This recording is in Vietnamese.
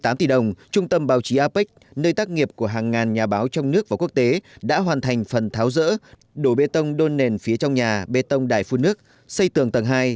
tại trung tâm báo chí apec nơi tác nghiệp của hàng ngàn nhà báo trong nước và quốc tế đã hoàn thành phần tháo rỡ đổ bê tông đôn nền phía trong nhà bê tông đài phun nước xây tường tầng hai